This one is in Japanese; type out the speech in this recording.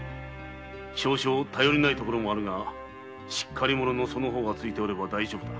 少し頼りないところもあるがしっかり者のその方がついておれば大丈夫だ。